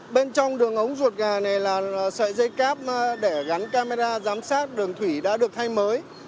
bên trong đường ống ruột gà này là sợi dây cáp để gắn camera giám sát đường thủy đã được thay mới